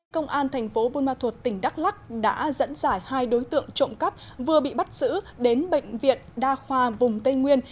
công an thành phố buôn ma thuột tỉnh đắk lắc đã dẫn dải hai đối tượng trộm cắp vừa bị bắt giữ đến bệnh viện đa khoa vùng tây nguyên